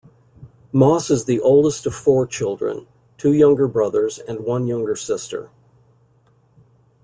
Moss is the oldest of four children, two younger brothers and one younger sister.